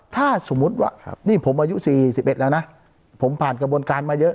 ถ้าสมมุติว่าครับนี่ผมอายุสี่สิบเอ็ดแล้วนะผมผ่านกระบวนการมาเยอะ